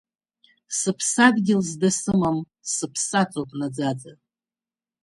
Сыԥсадгьыл зда сымам Сыԥсаҵоуп наӡаӡа.